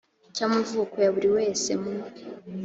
cy amavuko ya buri wese mu